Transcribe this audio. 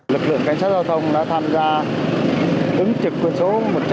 lực lượng cảnh sát giao thông đã tham gia ứng trực quân số một trăm linh